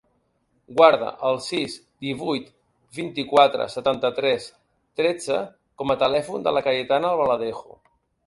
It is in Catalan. Guarda el sis, divuit, vint-i-quatre, setanta-tres, tretze com a telèfon de la Cayetana Albaladejo.